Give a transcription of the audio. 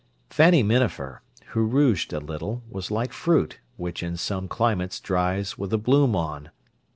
Fanny Minafer, who rouged a little, was like fruit which in some climates dries with the bloom on.